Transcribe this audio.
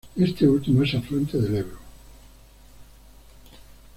Este último es afluente del Ebro.